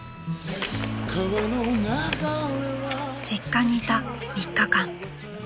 ［実家にいた３日間］